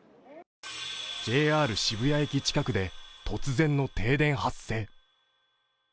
ＪＲ渋谷駅近くで突然の停電発生。